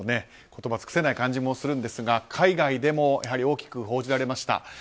言葉つくせない感じもするんですが、海外でも大きく報じられました。